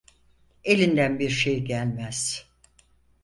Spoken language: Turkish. Elinden bir şey gelmez.